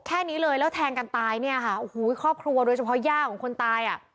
แค่นี้เลยแล้วแทงกันตายคอบครัวโดยเฉพาะย่าของคนตาย